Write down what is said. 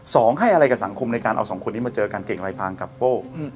ให้อะไรกับสังคมในการเอาสองคนนี้มาเจอกันเก่งลายพางกับโป้